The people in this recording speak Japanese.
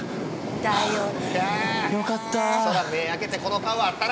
よかった。